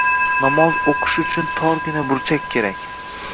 «Namoz o‘qish uchun torgina burchak kerak.